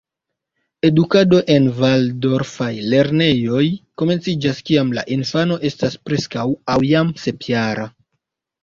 Edukado en valdorfaj lernejoj komenciĝas kiam la infano estas preskaŭ aŭ jam sepjara.